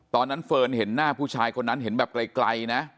เฟิร์นเห็นหน้าผู้ชายคนนั้นเห็นแบบไกลนะ